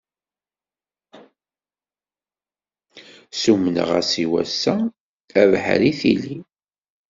Stummneɣ-as i wass-a, abeḥri tili.